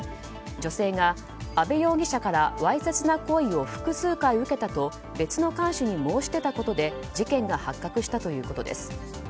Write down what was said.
女性が、阿部容疑者からわいせつな行為を複数回受けたと別の看守に申し出たことで事件が発覚したということです。